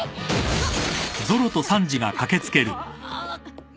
あっ？